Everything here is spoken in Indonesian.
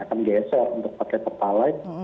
akan geser untuk pakai pertalite